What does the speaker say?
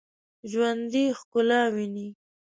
ژوندي ښکلا ویني